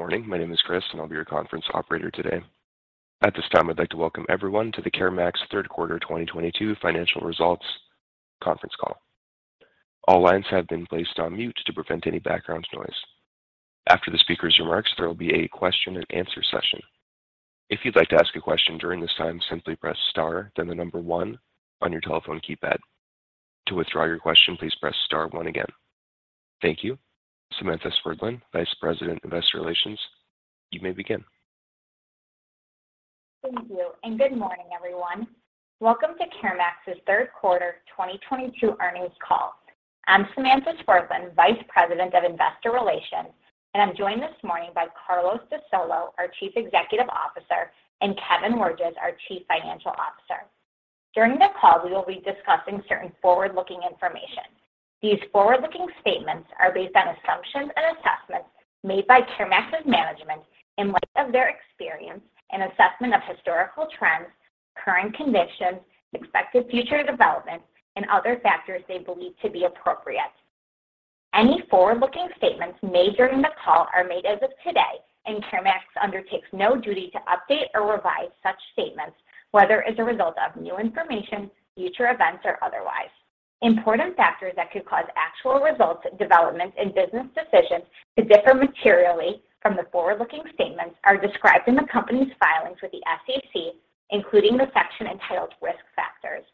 Good morning. My name is Chris, and I'll be your conference operator today. At this time, I'd like to welcome everyone to the CareMax third quarter 2022 financial results conference call. All lines have been placed on mute to prevent any background noise. After the speaker's remarks, there will be a question and answer session. If you'd like to ask a question during this time, simply press star then one on your telephone keypad. To withdraw your question, please press star one again. Thank you. Samantha Swerdlin, Vice President, Investor Relations, you may begin. Thank you, and good morning, everyone. Welcome to CareMax's third quarter 2022 earnings call. I'm Samantha Swerdlin, Vice President of Investor Relations, and I'm joined this morning by Carlos de Solo, our Chief Executive Officer, and Kevin Wirges, our Chief Financial Officer. During the call, we will be discussing certain forward-looking information. These forward-looking statements are based on assumptions and assessments made by CareMax's management in light of their experience and assessment of historical trends, current conditions, expected future developments, and other factors they believe to be appropriate. Any forward-looking statements made during the call are made as of today, and CareMax undertakes no duty to update or revise such statements, whether as a result of new information, future events, or otherwise. Important factors that could cause actual results, developments, and business decisions to differ materially from the forward-looking statements are described in the company's filings with the SEC, including the section entitled Risk Factors.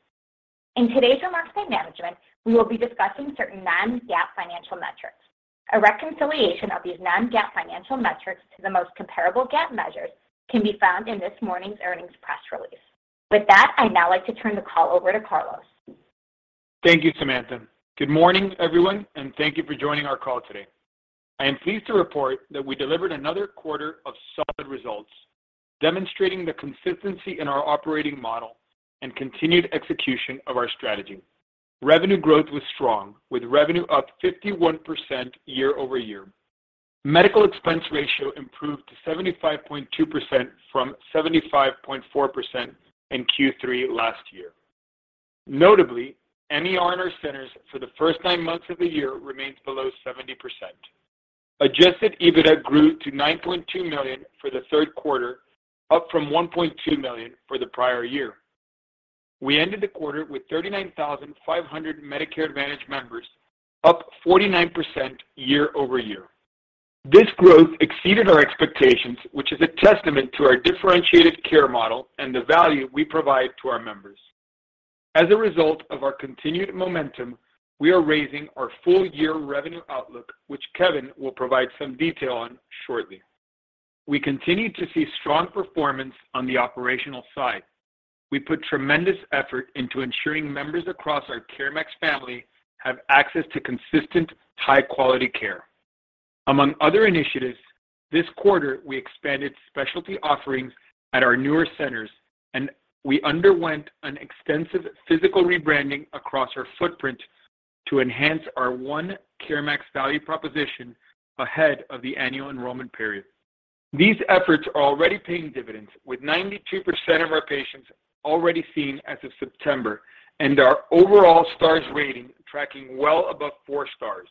In today's remarks by management, we will be discussing certain non-GAAP financial metrics. A reconciliation of these non-GAAP financial metrics to the most comparable GAAP measures can be found in this morning's earnings press release. With that, I'd now like to turn the call over to Carlos. Thank you, Samantha. Good morning, everyone, and thank you for joining our call today. I am pleased to report that we delivered another quarter of solid results, demonstrating the consistency in our operating model and continued execution of our strategy. Revenue growth was strong, with revenue up 51% year-over-year. Medical Expense Ratio improved to 75.2% from 75.4% in Q3 last year. Notably, MER in our centers for the first nine months of the year remains below 70%. Adjusted EBITDA grew to $9.2 million for the third quarter, up from $1.2 million for the prior year. We ended the quarter with 39,500 Medicare Advantage members, up 49% year-over-year. This growth exceeded our expectations, which is a testament to our differentiated care model and the value we provide to our members. As a result of our continued momentum, we are raising our full year revenue outlook, which Kevin will provide some detail on shortly. We continue to see strong performance on the operational side. We put tremendous effort into ensuring members across our CareMax family have access to consistent, high-quality care. Among other initiatives, this quarter we expanded specialty offerings at our newer centers, and we underwent an extensive physical rebranding across our footprint to enhance our one CareMax value proposition ahead of the annual enrollment period. These efforts are already paying dividends, with 92% of our patients already seen as of September and our overall stars rating tracking well above four stars.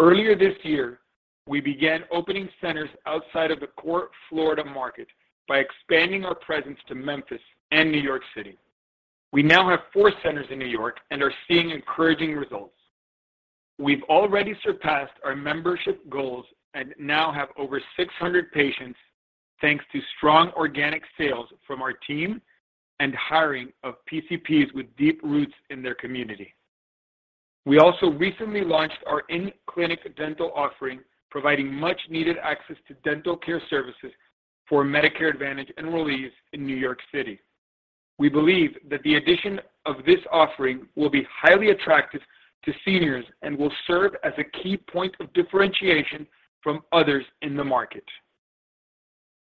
Earlier this year, we began opening centers outside of the core Florida market by expanding our presence to Memphis and New York City. We now have four centers in New York and are seeing encouraging results. We've already surpassed our membership goals and now have over 600 patients, thanks to strong organic sales from our team and hiring of PCPs with deep roots in their community. We also recently launched our in-clinic dental offering, providing much-needed access to dental care services for Medicare Advantage enrollees in New York City. We believe that the addition of this offering will be highly attractive to seniors and will serve as a key point of differentiation from others in the market.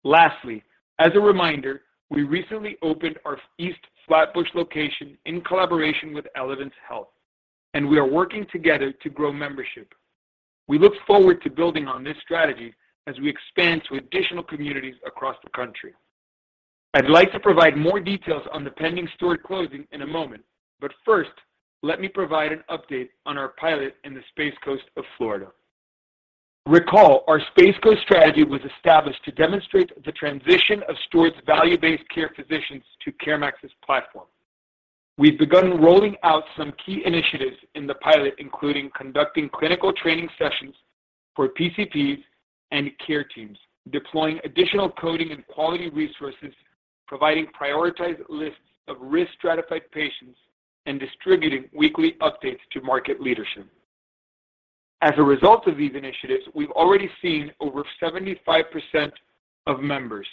Lastly, as a reminder, we recently opened our East Flatbush location in collaboration with Elevance Health, and we are working together to grow membership. We look forward to building on this strategy as we expand to additional communities across the country. I'd like to provide more details on the pending store closing in a moment, but first, let me provide an update on our pilot in the Space Coast of Florida. Recall, our Space Coast strategy was established to demonstrate the transition of Steward's value-based care physicians to CareMax's platform. We've begun rolling out some key initiatives in the pilot, including conducting clinical training sessions for PCPs and care teams, deploying additional coding and quality resources, providing prioritized lists of risk-stratified patients, and distributing weekly updates to market leadership. As a result of these initiatives, we've already seen over 75% of members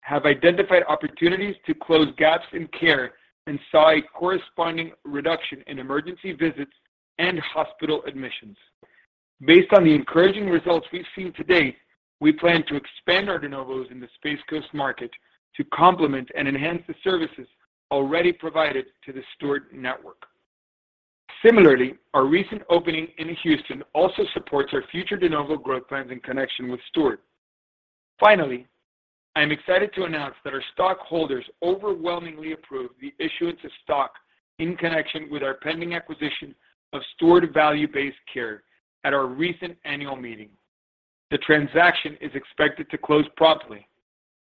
have identified opportunities to close gaps in care and saw a corresponding reduction in emergency visits and hospital admissions. Based on the encouraging results we've seen to date, we plan to expand our de novos in the Space Coast market to complement and enhance the services already provided to the Steward network. Similarly, our recent opening in Houston also supports our future de novo growth plans in connection with Steward. Finally, I am excited to announce that our stockholders overwhelmingly approved the issuance of stock in connection with our pending acquisition of Steward Value-Based Care at our recent annual meeting. The transaction is expected to close promptly.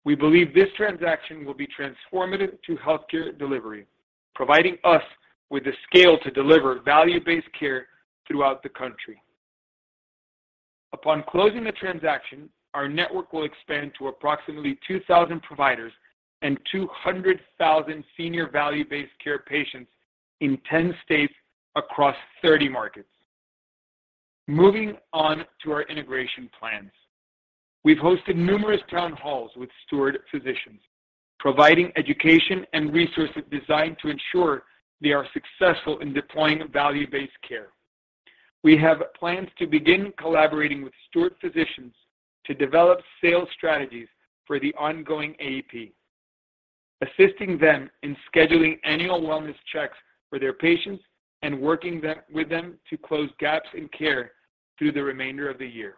We believe this transaction will be transformative to healthcare delivery, providing us with the scale to deliver value-based care throughout the country. Upon closing the transaction, our network will expand to approximately 2,000 providers and 200,000 senior value-based care patients in 10 states across 30 markets. Moving on to our integration plans. We've hosted numerous town halls with Steward physicians, providing education and resources designed to ensure they are successful in deploying value-based care. We have plans to begin collaborating with Steward physicians to develop sales strategies for the ongoing AEP, assisting them in scheduling annual wellness checks for their patients and working with them to close gaps in care through the remainder of the year.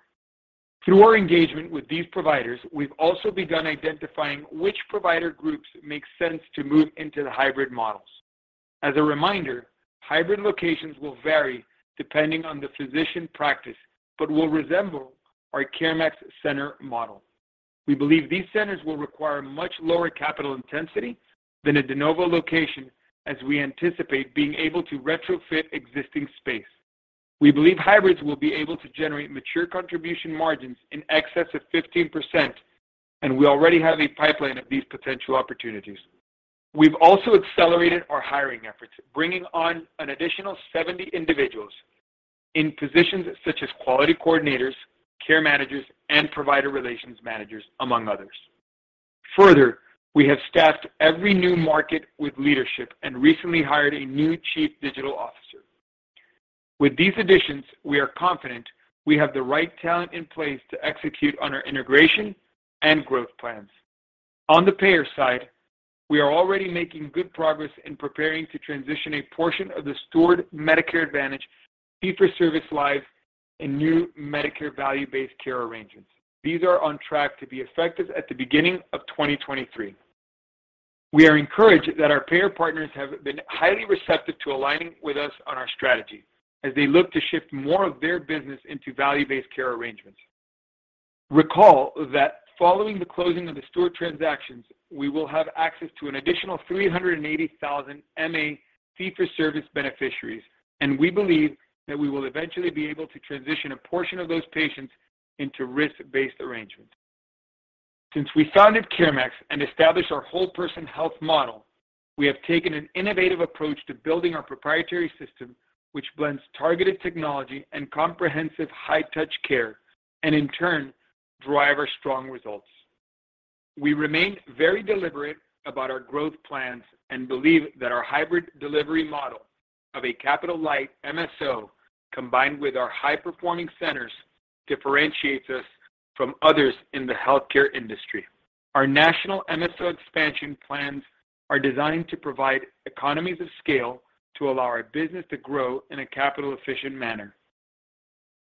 Through our engagement with these providers, we've also begun identifying which provider groups make sense to move into the hybrid models. As a reminder, hybrid locations will vary depending on the physician practice, but will resemble our CareMax center model. We believe these centers will require much lower capital intensity than a de novo location, as we anticipate being able to retrofit existing space. We believe hybrids will be able to generate mature contribution margins in excess of 15%, and we already have a pipeline of these potential opportunities. We've also accelerated our hiring efforts, bringing on an additional 70 individuals in positions such as quality coordinators, care managers, and provider relations managers, among others. Further, we have staffed every new market with leadership and recently hired a new chief digital officer. With these additions, we are confident we have the right talent in place to execute on our integration and growth plans. On the payer side, we are already making good progress in preparing to transition a portion of the Steward Medicare Advantage fee-for-service lives in new Medicare value-based care arrangements. These are on track to be effective at the beginning of 2023. We are encouraged that our payer partners have been highly receptive to aligning with us on our strategy as they look to shift more of their business into value-based care arrangements. Recall that following the closing of the Steward transactions, we will have access to an additional 380,000 MA fee-for-service beneficiaries, and we believe that we will eventually be able to transition a portion of those patients into risk-based arrangements. Since we founded CareMax and established our Whole Person Health model, we have taken an innovative approach to building our proprietary system, which blends targeted technology and comprehensive high touch care, and in turn drive our strong results. We remain very deliberate about our growth plans and believe that our hybrid delivery model of a capital-light MSO, combined with our high-performing centers, differentiates us from others in the healthcare industry. Our national MSO expansion plans are designed to provide economies of scale to allow our business to grow in a capital efficient manner.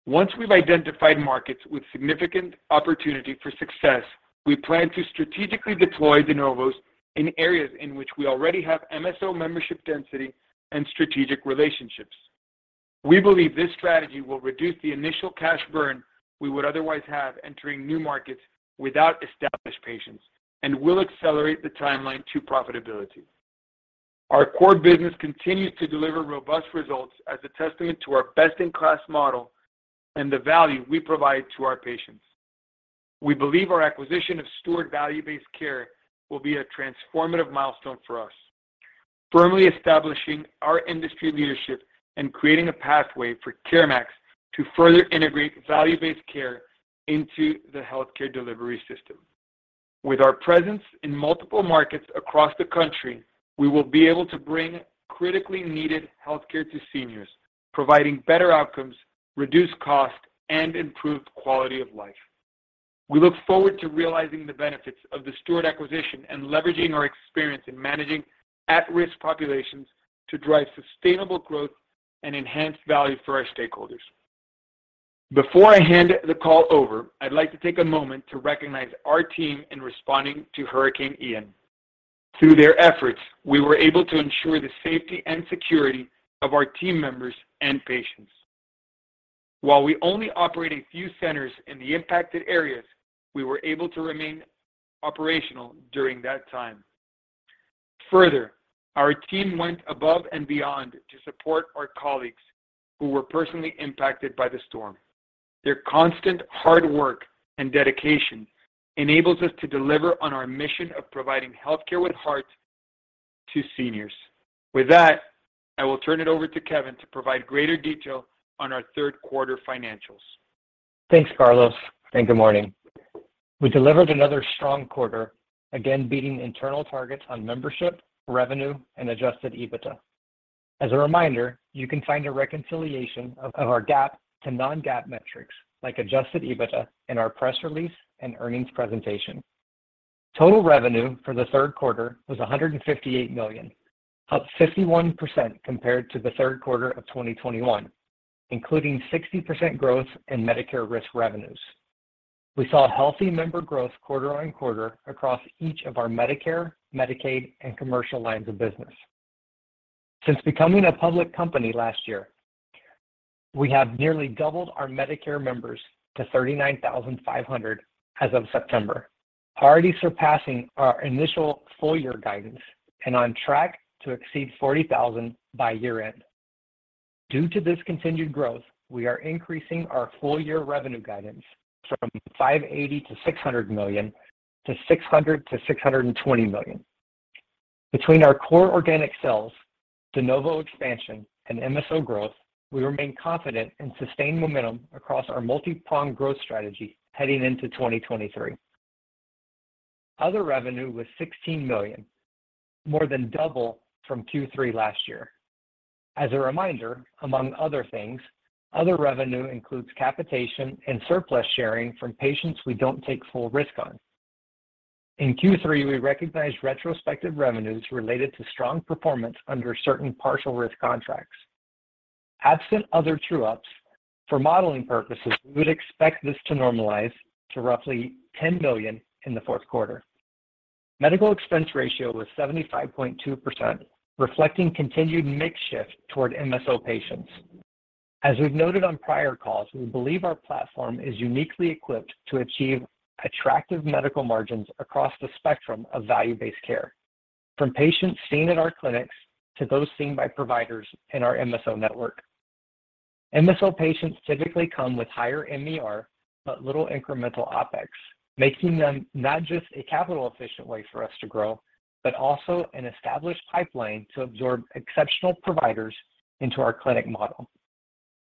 Once we've identified markets with significant opportunity for success, we plan to strategically deploy de novos in areas in which we already have MSO membership density and strategic relationships. We believe this strategy will reduce the initial cash burn we would otherwise have entering new markets without established patients and will accelerate the timeline to profitability. Our core business continues to deliver robust results as a testament to our best-in-class model and the value we provide to our patients. We believe our acquisition of Steward Value-Based Care will be a transformative milestone for us, firmly establishing our industry leadership and creating a pathway for CareMax to further integrate value-based care into the healthcare delivery system. With our presence in multiple markets across the country, we will be able to bring critically needed healthcare to seniors, providing better outcomes, reduced cost, and improved quality of life. We look forward to realizing the benefits of the Steward acquisition and leveraging our experience in managing at-risk populations to drive sustainable growth and enhance value for our stakeholders. Before I hand the call over, I'd like to take a moment to recognize our team in responding to Hurricane Ian. Through their efforts, we were able to ensure the safety and security of our team members and patients. While we only operate a few centers in the impacted areas, we were able to remain operational during that time. Further, our team went above and beyond to support our colleagues who were personally impacted by the storm. Their constant hard work and dedication enables us to deliver on our mission of providing health care with heart to seniors. With that, I will turn it over to Kevin to provide greater detail on our third quarter financials. Thanks, Carlos, and good morning. We delivered another strong quarter, again beating internal targets on membership, revenue, and adjusted EBITDA. As a reminder, you can find a reconciliation of our GAAP to non-GAAP metrics like adjusted EBITDA in our press release and earnings presentation. Total revenue for the third quarter was $158 million, up 51% compared to the third quarter of 2021, including 60% growth in Medicare risk revenues. We saw healthy member growth quarter-over-quarter across each of our Medicare, Medicaid, and commercial lines of business. Since becoming a public company last year, we have nearly doubled our Medicare members to 39,500 as of September, already surpassing our initial full year guidance and on track to exceed 40,000 by year-end. Due to this continued growth, we are increasing our full year revenue guidance from $580 million-$600 million-$620 million. Between our core organic sales, de novo expansion, and MSO growth, we remain confident in sustained momentum across our multi-pronged growth strategy heading into 2023. Other revenue was $16 million, more than double from Q3 last year. As a reminder, among other things, other revenue includes capitation and surplus sharing from patients we don't take full risk on. In Q3, we recognized retrospective revenues related to strong performance under certain partial risk contracts. Absent other true ups, for modeling purposes, we would expect this to normalize to roughly $10 million in the fourth quarter. Medical Expense Ratio was 75.2%, reflecting continued mix shift toward MSO patients. As we've noted on prior calls, we believe our platform is uniquely equipped to achieve attractive medical margins across the spectrum of value-based care, from patients seen at our clinics to those seen by providers in our MSO network. MSO patients typically come with higher MER, but little incremental OpEx, making them not just a capital efficient way for us to grow, but also an established pipeline to absorb exceptional providers into our clinic model.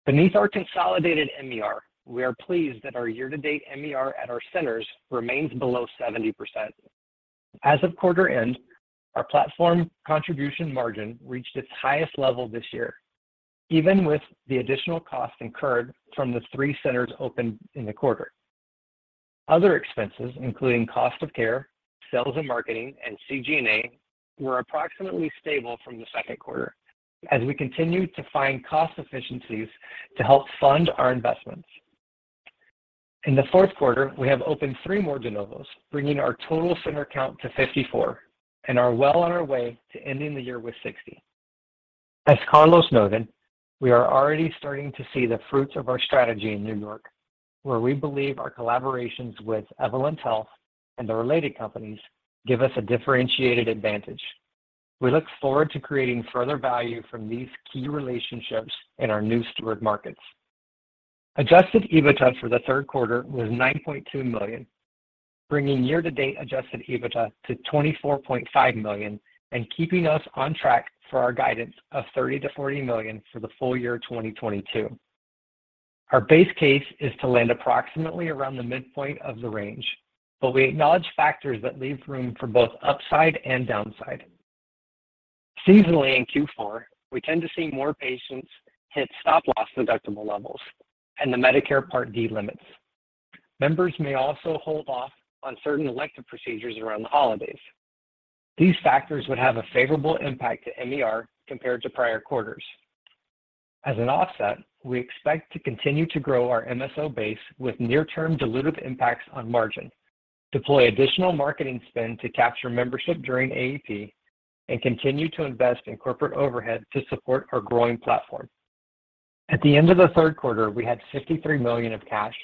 Beneath our consolidated MER, we are pleased that our year-to-date MER at our centers remains below 70%. As of quarter end, our platform contribution margin reached its highest level this year, even with the additional cost incurred from the three centers opened in the quarter. Other expenses, including cost of care, sales and marketing, and G&A, were approximately stable from the second quarter as we continued to find cost efficiencies to help fund our investments. In the fourth quarter, we have opened three more de novos, bringing our total center count to 54, and are well on our way to ending the year with 60. As Carlos noted, we are already starting to see the fruits of our strategy in New York, where we believe our collaborations with Evolent Health and Related Companies give us a differentiated advantage. We look forward to creating further value from these key relationships in our new Steward markets. Adjusted EBITDA for the third quarter was $9.2 million, bringing year-to-date adjusted EBITDA to $24.5 million and keeping us on track for our guidance of $30 million-$40 million for the full year 2022. Our base case is to land approximately around the midpoint of the range, but we acknowledge factors that leave room for both upside and downside. Seasonally in Q4, we tend to see more patients hit stop loss deductible levels and the Medicare Part D limits. Members may also hold off on certain elective procedures around the holidays. These factors would have a favorable impact to MER compared to prior quarters. As an offset, we expect to continue to grow our MSO base with near term dilutive impacts on margin, deploy additional marketing spend to capture membership during AEP, and continue to invest in corporate overhead to support our growing platform. At the end of the third quarter, we had $53 million of cash,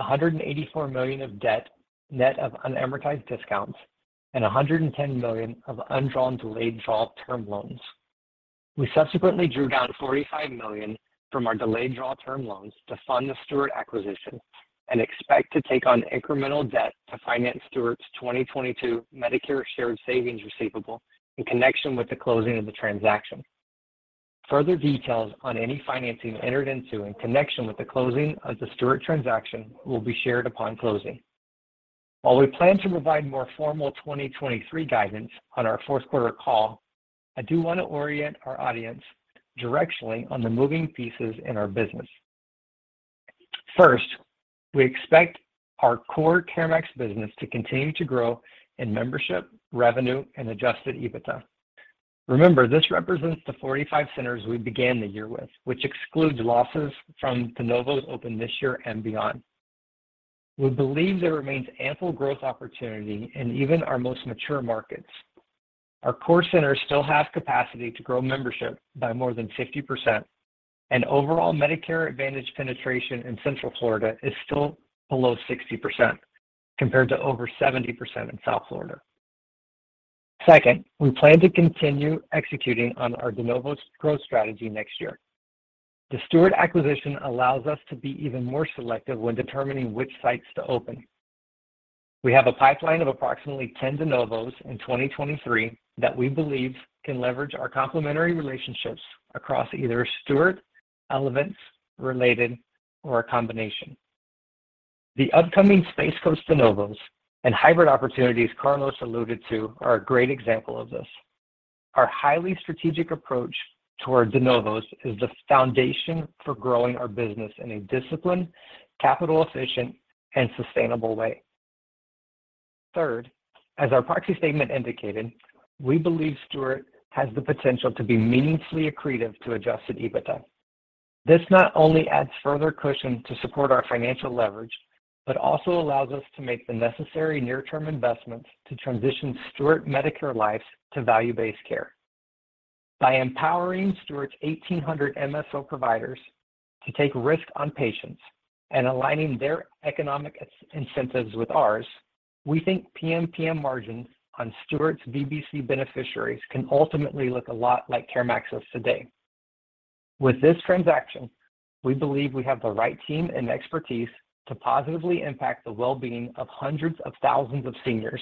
$184 million of debt net of unamortized discounts, and $110 million of undrawn delayed draw term loans. We subsequently drew down $45 million from our delayed draw term loans to fund the Steward acquisition and expect to take on incremental debt to finance Steward's 2022 Medicare Shared Savings Receivable in connection with the closing of the transaction. Further details on any financing entered into in connection with the closing of the Steward transaction will be shared upon closing. While we plan to provide more formal 2023 guidance on our fourth quarter call, I do want to orient our audience directionally on the moving pieces in our business. First, we expect our core CareMax business to continue to grow in membership, revenue, and Adjusted EBITDA. Remember, this represents the 45 centers we began the year with, which excludes losses from de novos opened this year and beyond. We believe there remains ample growth opportunity in even our most mature markets. Our core centers still have capacity to grow membership by more than 50%, and overall Medicare Advantage penetration in Central Florida is still below 60%, compared to over 70% in South Florida. Second, we plan to continue executing on our de novos growth strategy next year. The Steward acquisition allows us to be even more selective when determining which sites to open. We have a pipeline of approximately 10 de novos in 2023 that we believe can leverage our complementary relationships across either Steward, Evolent, Related, or a combination. The upcoming Space Coast de novos and hybrid opportunities Carlos alluded to are a great example of this. Our highly strategic approach toward de novos is the foundation for growing our business in a disciplined, capital efficient, and sustainable way. Third, as our proxy statement indicated, we believe Steward has the potential to be meaningfully accretive to Adjusted EBITDA. This not only adds further cushion to support our financial leverage, but also allows us to make the necessary near-term investments to transition Steward Medicare lives to value-based care. By empowering Steward's 1,800 MSO providers to take risk on patients and aligning their economic ins-incentives with ours, we think PMPM margins on Steward's VBC beneficiaries can ultimately look a lot like CareMax's today. With this transaction, we believe we have the right team and expertise to positively impact the well-being of hundreds of thousands of seniors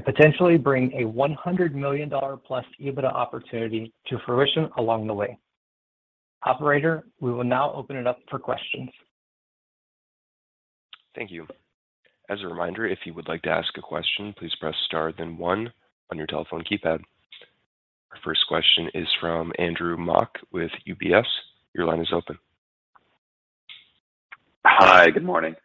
and potentially bring a $100+ million EBITDA opportunity to fruition along the way. Operator, we will now open it up for questions. Thank you. As a reminder, if you would like to ask a question, please press star then one on your telephone keypad. Our first question is from Andrew Mok with UBS. Your line is open. Hi, good morning.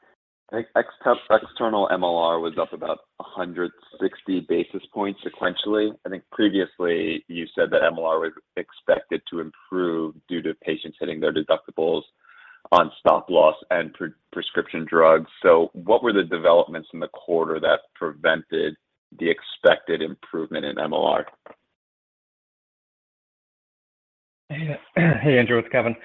I think external MLR was up about 160 basis points sequentially. I think previously you said that MLR was expected to improve due to patients hitting their deductibles on stop loss and prescription drugs. What were the developments in the quarter that prevented the expected improvement in MLR? Hey, hey, Andrew, it's Kevin.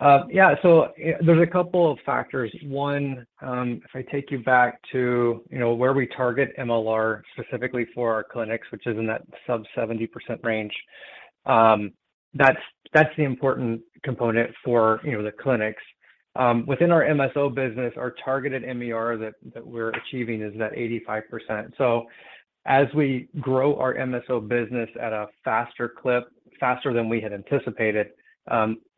There's a couple of factors. One, if I take you back to, you know, where we target MLR specifically for our clinics, which is in that sub-70% range, that's the important component for, you know, the clinics. Within our MSO business, our targeted MER that we're achieving is that 85%. As we grow our MSO business at a faster clip than we had anticipated,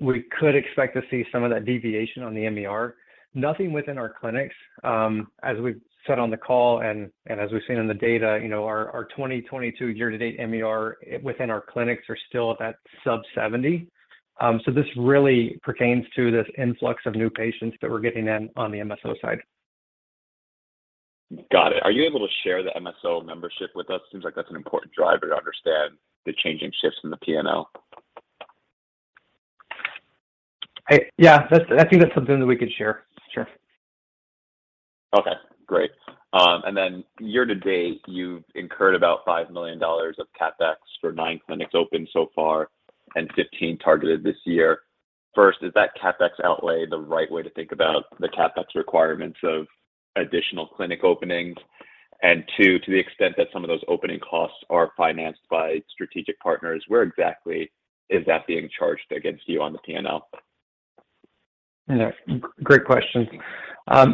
we could expect to see some of that deviation on the MER. Nothing within our clinics, as we've said on the call and as we've seen in the data, you know, our 2022 year-to-date MER within our clinics are still at that sub-70%. This really pertains to this influx of new patients that we're getting in on the MSO side. Got it. Are you able to share the MSO membership with us? Seems like that's an important driver to understand the changing shifts in the P&L. Yeah, that's, I think that's something that we could share. Sure. Okay, great. Year to date, you've incurred about $5 million of CapEx for nine clinics open so far and 15 targeted this year. First, is that CapEx outlay the right way to think about the CapEx requirements of additional clinic openings? Two, to the extent that some of those opening costs are financed by strategic partners, where exactly is that being charged against you on the P&L? Yeah, great question.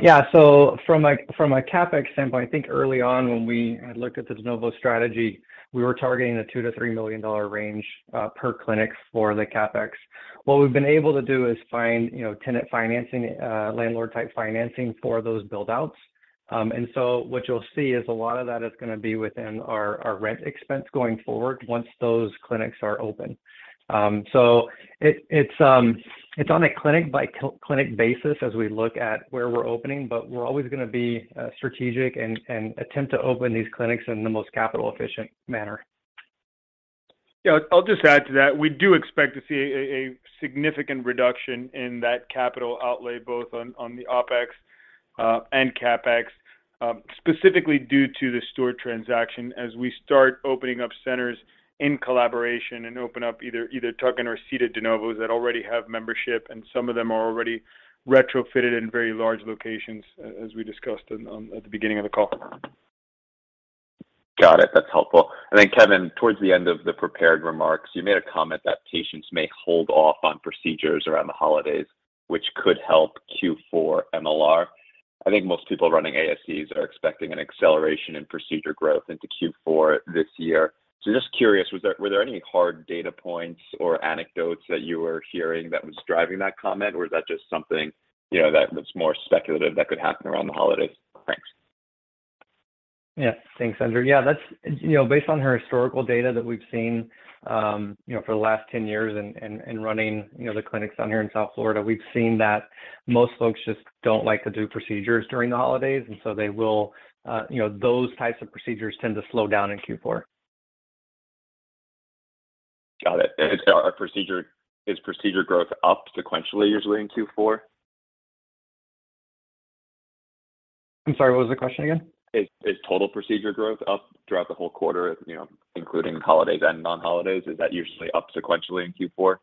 Yeah. From a CapEx standpoint, I think early on when we had looked at the de novo strategy, we were targeting the $2 million-$3 million range per clinic for the CapEx. What we've been able to do is find you know, tenant financing, landlord type financing for those build outs. What you'll see is a lot of that is gonna be within our rent expense going forward once those clinics are open. It's on a clinic by clinic basis as we look at where we're opening, but we're always gonna be strategic and attempt to open these clinics in the most capital efficient manner. Yeah. I'll just add to that. We do expect to see a significant reduction in that capital outlay, both on the OpEx and CapEx, specifically due to the Steward transaction as we start opening up centers in collaboration and open up either tuck-in or sited de novos that already have membership, and some of them are already retrofitted in very large locations, as we discussed at the beginning of the call. Got it. That's helpful. Then Kevin, towards the end of the prepared remarks, you made a comment that patients may hold off on procedures around the holidays, which could help Q4 MLR. I think most people running ASCs are expecting an acceleration in procedure growth into Q4 this year. Just curious, were there any hard data points or anecdotes that you were hearing that was driving that comment, or is that just something, you know, that was more speculative that could happen around the holidays? Thanks. Yeah. Thanks, Andrew. Yeah, that's, you know, based on our historical data that we've seen, you know, for the last 10 years and running, you know, the clinics down here in South Florida, we've seen that most folks just don't like to do procedures during the holidays, and so they will, you know, those types of procedures tend to slow down in Q4. Got it. Is procedure growth up sequentially usually in Q4? I'm sorry, what was the question again? Is total procedure growth up throughout the whole quarter, you know, including holidays and non-holidays? Is that usually up sequentially in Q4?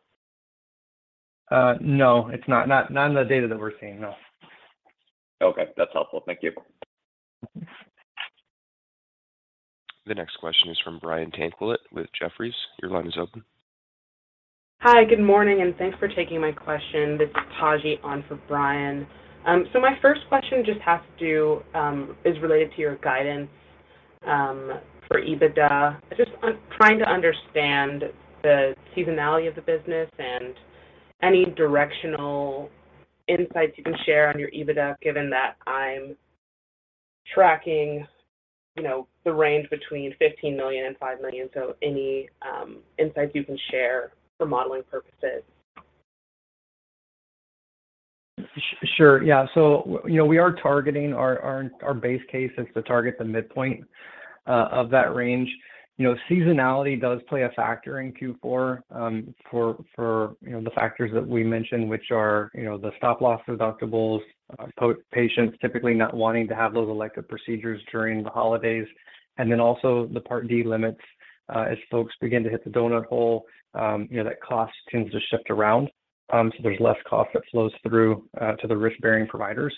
No, it's not. Not in the data that we're seeing, no. Okay. That's helpful. Thank you. The next question is from Brian Tanquilut with Jefferies. Your line is open. Hi, good morning, and thanks for taking my question. This is Taji on for Brian. My first question just has to do, is related to your guidance for EBITDA. Just trying to understand the seasonality of the business and any directional insights you can share on your EBITDA, given that I'm tracking, you know, the range between $15 million and $5 million. Any insights you can share for modeling purposes. Sure, yeah. We are targeting our base case is to target the midpoint of that range. You know, seasonality does play a factor in Q4, for the factors that we mentioned, which are the stop-loss deductibles, patients typically not wanting to have those elective procedures during the holidays. Also the Part D limits, as folks begin to hit the donut hole, you know, that cost tends to shift around, so there's less cost that flows through to the risk-bearing provider.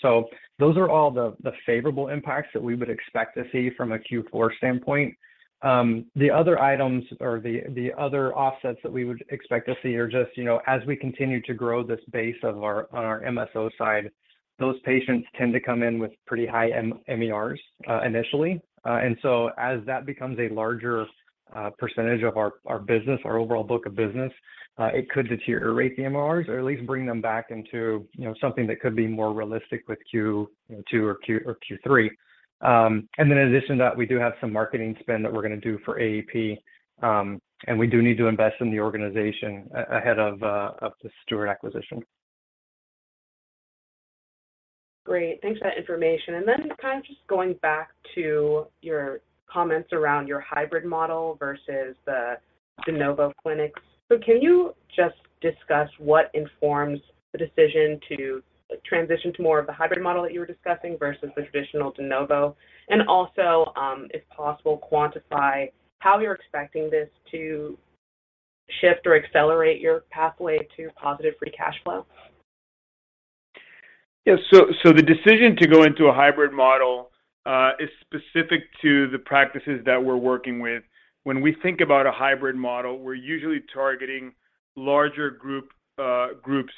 Those are all the favorable impacts that we would expect to see from a Q4 standpoint. The other offsets that we would expect to see are just, you know, as we continue to grow this base of our, on our MSO side, those patients tend to come in with pretty high MERs initially. As that becomes a larger percentage of our business, our overall book of business, it could deteriorate the MERs or at least bring them back into, you know, something that could be more realistic with Q2 or Q3. In addition to that, we do have some marketing spend that we're gonna do for AEP, and we do need to invest in the organization ahead of the Steward acquisition. Great. Thanks for that information. Kind of just going back to your comments around your hybrid model versus the de novo clinics. Can you just discuss what informs the decision to transition to more of the hybrid model that you were discussing versus the traditional de novo? If possible, quantify how you're expecting this to shift or accelerate your pathway to positive free cash flow. The decision to go into a hybrid model is specific to the practices that we're working with. When we think about a hybrid model, we're usually targeting larger groups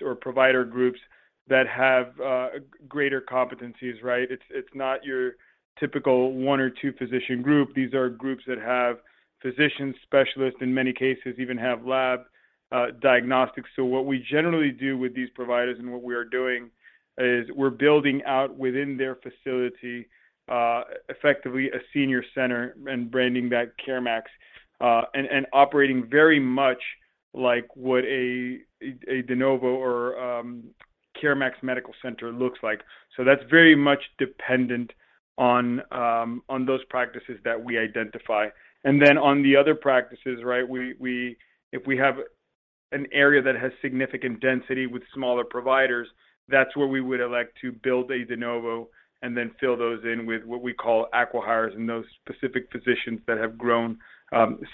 or provider groups that have greater competencies, right? It's not your typical one or two physician group. These are groups that have physicians, specialists, in many cases even have lab diagnostics. What we generally do with these providers and what we are doing is we're building out within their facility, effectively a senior center and branding that CareMax and operating very much like what a de novo or CareMax medical center looks like. That's very much dependent on those practices that we identify. On the other practices, right, we if we have an area that has significant density with smaller providers, that's where we would elect to build a de novo and then fill those in with what we call acqui-hires and those specific physicians that have grown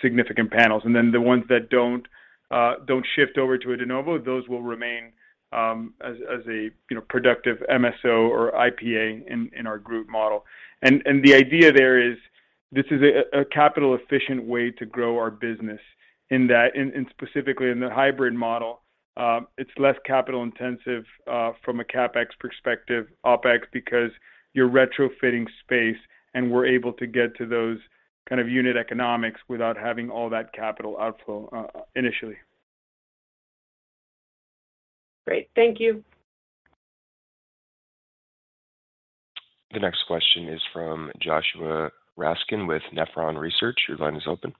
significant panels. The ones that don't don't shift over to a de novo, those will remain as a you know productive MSO or IPA in our group model. The idea there is this is a capital-efficient way to grow our business in that, and specifically in the hybrid model, it's less capital-intensive from a CapEx perspective, OpEx because you're retrofitting space, and we're able to get to those kind of unit economics without having all that capital outflow initially. Great. Thank you. The next question is from Joshua Raskin with Nephron Research. Your line is open.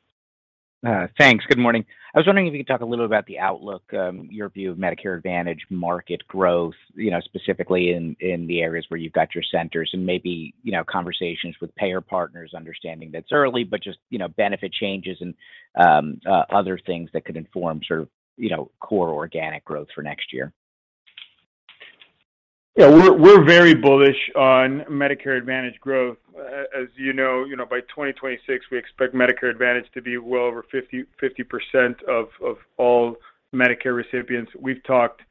Thanks. Good morning. I was wondering if you could talk a little about the outlook, your view of Medicare Advantage market growth, you know, specifically in the areas where you've got your centers and maybe, you know, conversations with payer partners, understanding that's early, but just, you know, benefit changes and other things that could inform sort of, you know, core organic growth for next year? Yeah. We're very bullish on Medicare Advantage growth. As you know, by 2026, we expect Medicare Advantage to be well over 50% of all Medicare recipients. We've talked,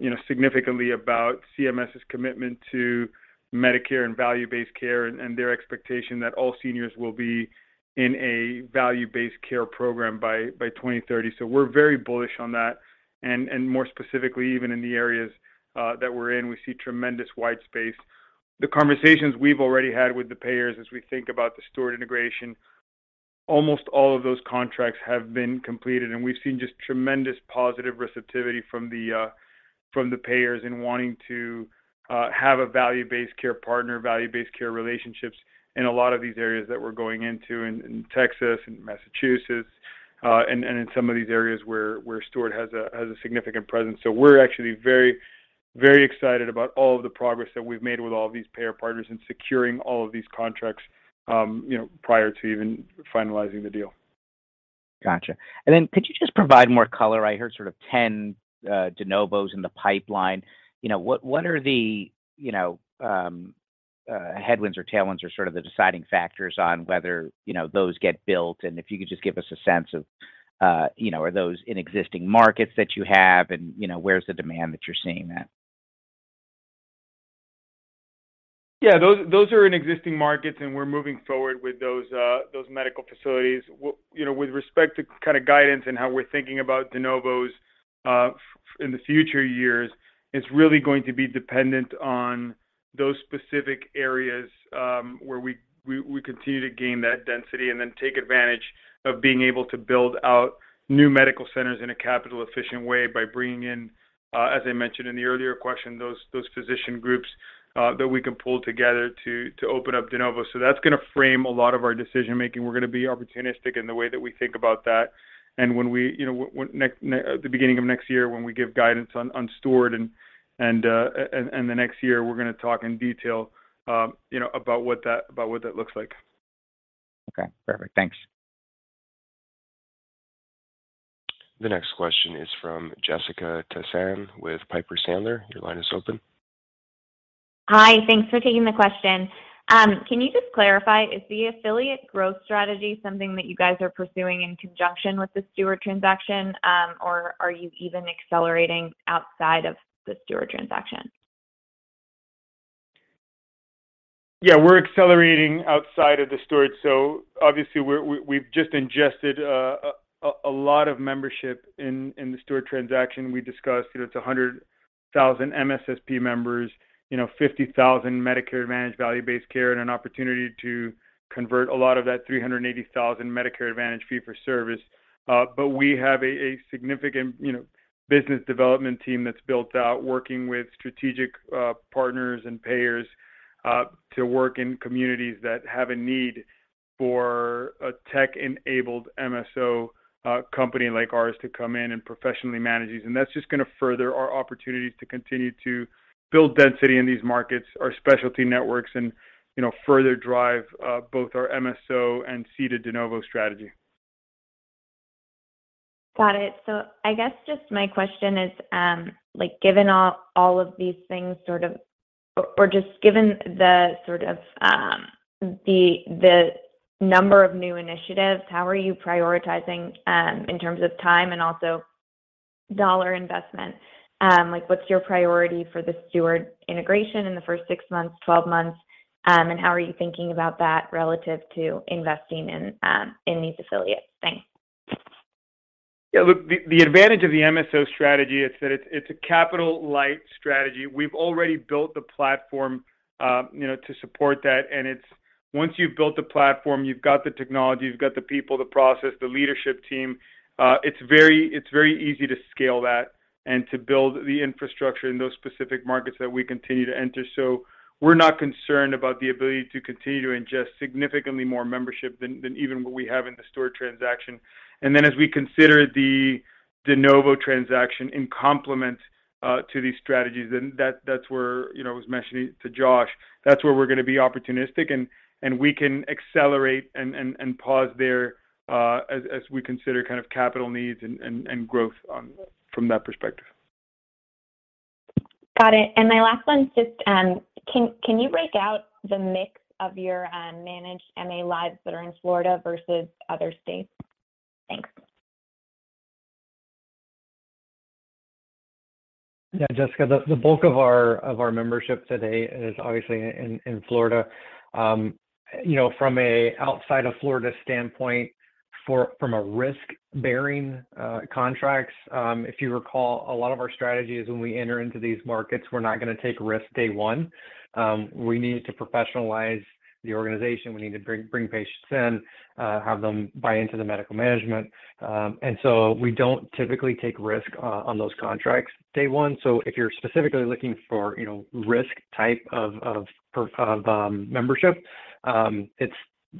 you know, significantly about CMS's commitment to Medicare and value-based care and their expectation that all seniors will be in a value-based care program by 2030. We're very bullish on that, and more specifically, even in the areas that we're in, we see tremendous white space. The conversations we've already had with the payers as we think about the Steward integration, almost all of those contracts have been completed, and we've seen just tremendous positive receptivity from the payers in wanting to have a value-based care partner, value-based care relationships in a lot of these areas that we're going into in Texas and Massachusetts, and in some of these areas where Steward has a significant presence. We're actually very, very excited about all of the progress that we've made with all of these payer partners in securing all of these contracts, you know, prior to even finalizing the deal. Gotcha. Could you just provide more color? I heard sort of 10 de novos in the pipeline. You know, what are the, you know, headwinds or tailwinds or sort of the deciding factors on whether, you know, those get built? If you could just give us a sense of, you know, are those in existing markets that you have and, you know, where's the demand that you're seeing at? Yeah. Those are in existing markets, and we're moving forward with those medical facilities. You know, with respect to kind of guidance and how we're thinking about de novos, in the future years, it's really going to be dependent on those specific areas, where we continue to gain that density and then take advantage of being able to build out new medical centers in a capital-efficient way by bringing in, as I mentioned in the earlier question, those physician groups that we can pull together to open up de novo. So that's gonna frame a lot of our decision-making. We're gonna be opportunistic in the way that we think about that. When we, you know, at the beginning of next year, when we give guidance on Steward and the next year, we're gonna talk in detail, you know, about what that looks like. Okay. Perfect. Thanks. The next question is from Jessica Tassan with Piper Sandler. Your line is open. Hi. Thanks for taking the question. Can you just clarify, is the affiliate growth strategy something that you guys are pursuing in conjunction with the Steward transaction, or are you even accelerating outside of the Steward transaction? Yeah, we're accelerating outside of the Steward. Obviously we've just ingested a lot of membership in the Steward transaction. We discussed, you know, it's 100,000 MSSP members, you know, 50,000 Medicare Advantage value-based care and an opportunity to convert a lot of that 380,000 Medicare Advantage fee-for-service. We have a significant, you know, business development team that's built out working with strategic partners and payers to work in communities that have a need for a tech-enabled MSO company like ours to come in and professionally manage these. That's just gonna further our opportunities to continue to build density in these markets, our specialty networks, and, you know, further drive both our MSO and seeded de novo strategy. Got it. I guess just my question is, like, given all of these things sort of, or just given the sort of the number of new initiatives, how are you prioritizing in terms of time and also dollar investment? Like, what's your priority for the Steward integration in the first six months, 12 months, and how are you thinking about that relative to investing in these affiliates? Thanks. Yeah, look, the advantage of the MSO strategy is that it's a capital light strategy. We've already built the platform, you know, to support that, and it's once you've built the platform, you've got the technology, you've got the people, the process, the leadership team, it's very easy to scale that and to build the infrastructure in those specific markets that we continue to enter. We're not concerned about the ability to continue to ingest significantly more membership than even what we have in the Steward transaction. As we consider the de novo transaction in complement to these strategies, that's where, you know, I was mentioning to Josh, that's where we're gonna be opportunistic and we can accelerate and pause there, as we consider kind of capital needs and growth on from that perspective. Got it. My last one's just, can you break out the mix of your managed MA lives that are in Florida versus other states? Thanks. Yeah, Jessica, the bulk of our membership today is obviously in Florida. You know, from a standpoint outside of Florida for risk-bearing contracts, if you recall, a lot of our strategies when we enter into these markets, we're not gonna take risk day one. We need to professionalize the organization. We need to bring patients in, have them buy into the medical management. We don't typically take risk on those contracts day one. If you're specifically looking for, you know, risk type of membership, it's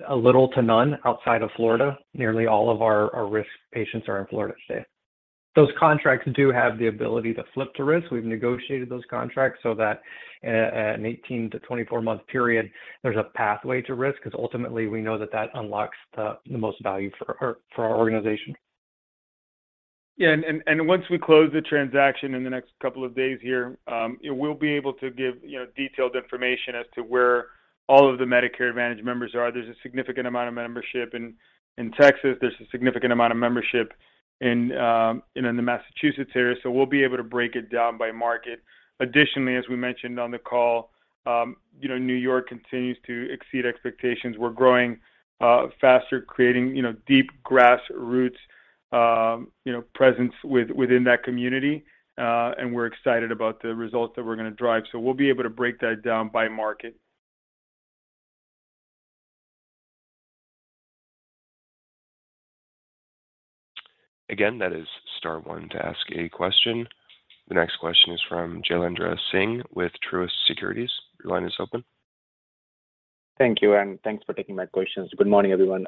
a little to none outside of Florida. Nearly all of our risk patients are in Florida state. Those contracts do have the ability to flip to risk. We've negotiated those contracts so that an 18-24-month period, there's a pathway to risk because ultimately we know that unlocks the most value for our organization. Yeah. Once we close the transaction in the next couple of days here, we'll be able to give, you know, detailed information as to where all of the Medicare Advantage members are. There's a significant amount of membership in Texas. There's a significant amount of membership in, you know, the Massachusetts area. We'll be able to break it down by market. Additionally, as we mentioned on the call, you know, New York continues to exceed expectations. We're growing faster, creating, you know, deep grassroots, you know, presence within that community, and we're excited about the results that we're gonna drive. We'll be able to break that down by market. Again, that is star one to ask a question. The next question is from Jailendra Singh with Truist Securities. Your line is open. Thank you, and thanks for taking my questions. Good morning, everyone.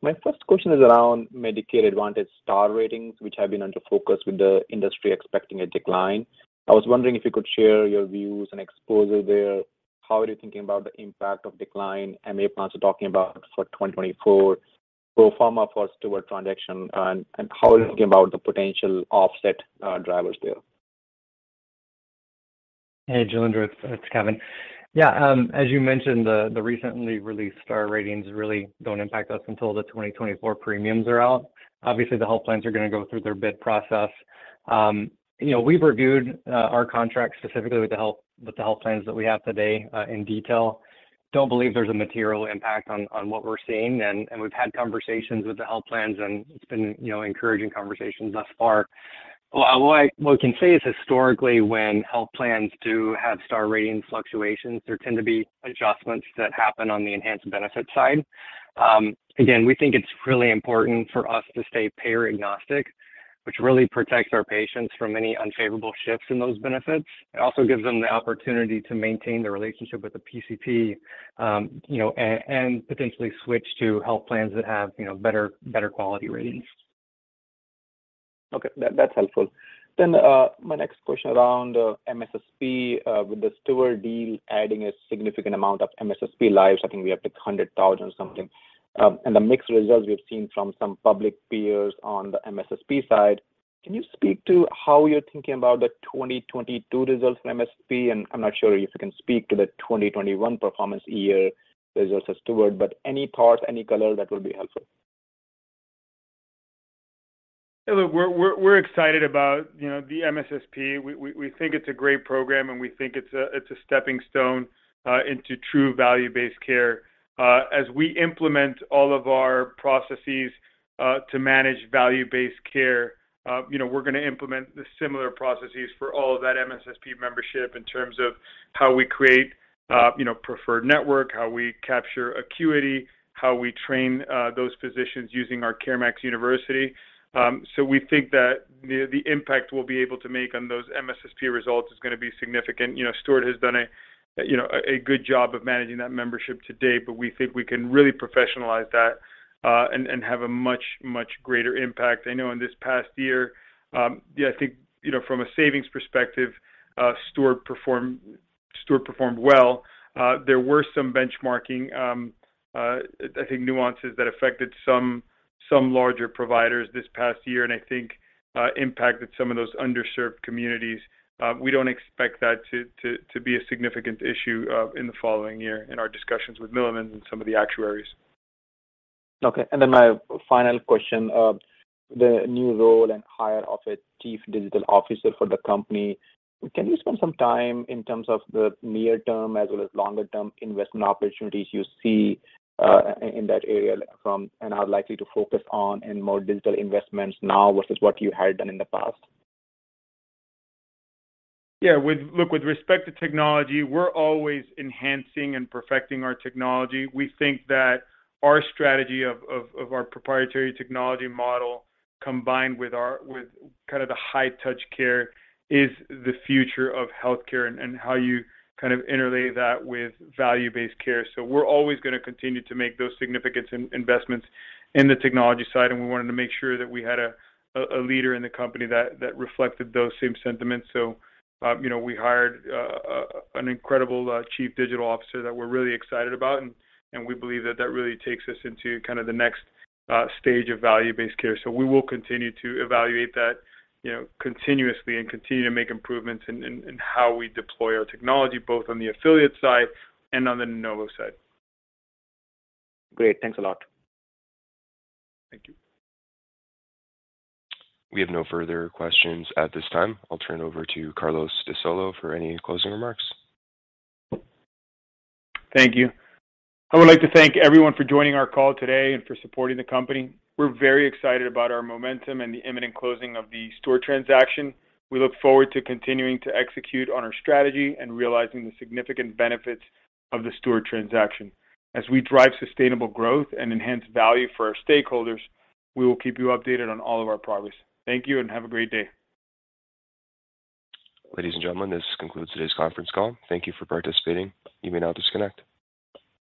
My first question is around Medicare Advantage star ratings, which have been under focus with the industry expecting a decline. I was wondering if you could share your views and exposure there. How are you thinking about the impact of decline MA plans are talking about for 2024 pro forma for Steward transaction and how are you thinking about the potential offset drivers there? Hey, Jailendra, it's Kevin. Yeah, as you mentioned, the recently released star ratings really don't impact us until the 2024 premiums are out. Obviously, the health plans are gonna go through their bid process. You know, we've reviewed our contracts specifically with the health plans that we have today in detail. Don't believe there's a material impact on what we're seeing, and we've had conversations with the health plans, and it's been encouraging conversations thus far. Well, what we can say is historically when health plans do have star rating fluctuations, there tend to be adjustments that happen on the enhanced benefit side. Again, we think it's really important for us to stay payer agnostic, which really protects our patients from any unfavorable shifts in those benefits. It also gives them the opportunity to maintain their relationship with the PCP, you know, and potentially switch to health plans that have, you know, better quality ratings. Okay. That's helpful. My next question around MSSP with the Steward deal adding a significant amount of MSSP lives. I think we are up to 100,000 something. The mixed results we've seen from some public peers on the MSSP side, can you speak to how you're thinking about the 2022 results from MSSP? I'm not sure if you can speak to the 2021 performance year results as Steward, but any thoughts, any color, that would be helpful. Yeah, look, we're excited about, you know, the MSSP. We think it's a great program, and we think it's a stepping stone into true value-based care. As we implement all of our processes to manage value-based care, you know, we're gonna implement the similar processes for all of that MSSP membership in terms of how we create, you know, preferred network, how we capture acuity, how we train those physicians using our CareMax University. So we think that the impact we'll be able to make on those MSSP results is gonna be significant. You know, Steward has done a good job of managing that membership to date, but we think we can really professionalize that and have a much greater impact. I know in this past year, yeah, I think, you know, from a savings perspective, Steward performed well. There were some benchmarking, I think nuances that affected some larger providers this past year, and I think, impacted some of those underserved communities. We don't expect that to be a significant issue, in the following year in our discussions with Milliman and some of the actuaries. Okay. My final question, the new role and hire of a chief digital officer for the company, can you spend some time in terms of the near term as well as longer term investment opportunities you see, in that area and are likely to focus on in more digital investments now versus what you had done in the past? Yeah. Look, with respect to technology, we're always enhancing and perfecting our technology. We think that our strategy of our proprietary technology model combined with kind of the high touch care is the future of healthcare and how you kind of interplay that with value-based care. We're always gonna continue to make those significant investments in the technology side, and we wanted to make sure that we had a leader in the company that reflected those same sentiments. You know, we hired an incredible chief digital officer that we're really excited about and we believe that that really takes us into kind of the next stage of value-based care. We will continue to evaluate that, you know, continuously and continue to make improvements in how we deploy our technology both on the affiliate side and on the Novo side. Great. Thanks a lot. Thank you. We have no further questions at this time. I'll turn over to Carlos de Solo for any closing remarks. Thank you. I would like to thank everyone for joining our call today and for supporting the company. We're very excited about our momentum and the imminent closing of the Steward transaction. We look forward to continuing to execute on our strategy and realizing the significant benefits of the Steward transaction. As we drive sustainable growth and enhance value for our stakeholders, we will keep you updated on all of our progress. Thank you, and have a great day. Ladies and gentlemen, this concludes today's conference call. Thank you for participating. You may now disconnect.